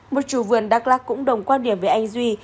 một chủ vườn đắk lắc cũng đồng quan điểm với anh duy